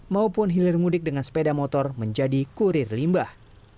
maupun hilir mudik dengan sepeda motor menjadi kurir limbah